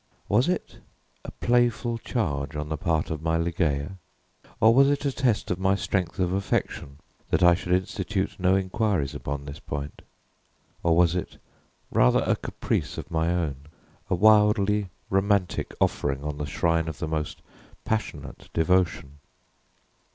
Was it a playful charge on the part of my Ligeia? or was it a test of my strength of affection, that I should institute no inquiries upon this point? or was it rather a caprice of my own a wildly romantic offering on the shrine of the most passionate devotion?